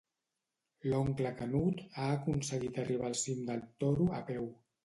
L'oncle Canut ha aconseguit arribar al cim del Toro a peu.